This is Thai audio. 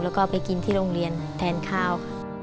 แล้วก็ไปกินที่โรงเรียนแทนข้าวค่ะ